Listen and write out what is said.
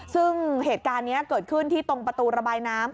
ซึ่งเหตุการณ์นี้เกิดขึ้นที่ตรงประตูระบายน้ำ